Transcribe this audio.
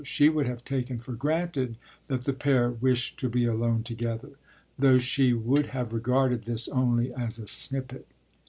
She would have taken for granted that the pair wished to be alone together, though she would have regarded this only as a snippet.